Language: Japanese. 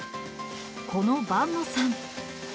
この伴野さん。